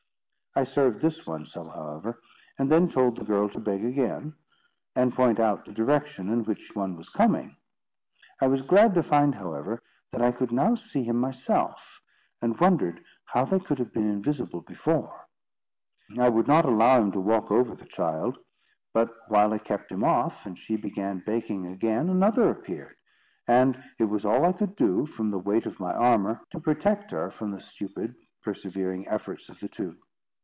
I served this one so, however; and then told the girl to beg again, and point out the direction in which one was coming. I was glad to find, however, that I could now see him myself, and wondered how they could have been invisible before. I would not allow him to walk over the child; but while I kept him off, and she began begging again, another appeared; and it was all I could do, from the weight of my armour, to protect her from the stupid, persevering efforts of the two.